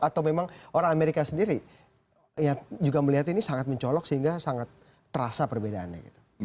atau memang orang amerika sendiri juga melihat ini sangat mencolok sehingga sangat terasa perbedaannya gitu